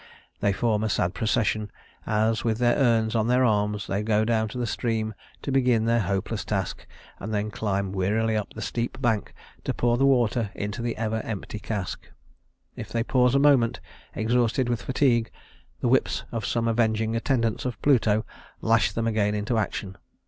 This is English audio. They form a sad procession as, with their urns on their arms, they go down to the stream to begin their hopeless task, and then climb wearily up the steep bank to pour the water into the ever empty cask. If they pause a moment, exhausted with fatigue, the whips of some avenging attendants of Pluto lash them again into action.